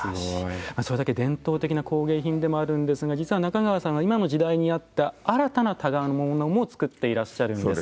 それだけ伝統的な工芸品でもあるんですが実は中川さんは今の時代に合った新たな箍物も作っていらっしゃるんです。